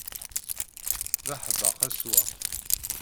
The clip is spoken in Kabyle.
D aḥdaq awsaq.